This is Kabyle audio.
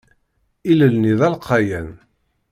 Ilel-nni d alqayan.